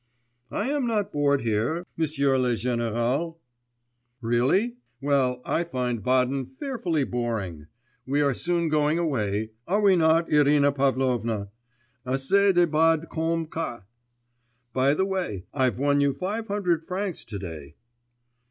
'I am not bored here, m'sieu le général.' 'Really? Well, I find Baden fearfully boring. We are soon going away, are we not, Irina Pavlovna? Assez de Bade comme ça. By the way, I've won you five hundred francs to day.